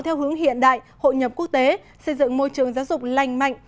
theo hướng hiện đại hội nhập quốc tế xây dựng môi trường giáo dục lành mạnh